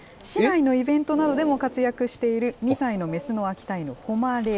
市内のイベントなどでも活躍している２歳の雌の秋田犬、誉。